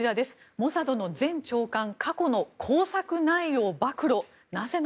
モサドの前長官過去の工作内容暴露。